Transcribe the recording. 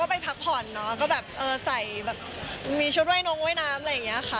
ไปพักผ่อนเนาะก็แบบเออใส่แบบมีชุดว่ายนงว่ายน้ำอะไรอย่างนี้ค่ะ